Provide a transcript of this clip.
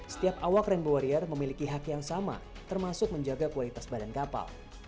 setiap awak rainbow warrior memiliki hak yang sama termasuk menjaga kualitas badan kapal